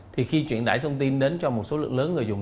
thì khi truyền đải thông tin đến cho một số lượng lớn người dùng